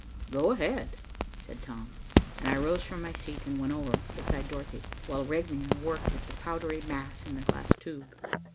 "Go ahead," said Tom, and I rose from my seat and went over beside Dorothy, while Regnier worked at the powdery mass in the glass tube.